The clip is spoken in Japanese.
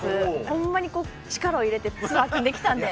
ほんまに力を入れてツアー組んできたんで。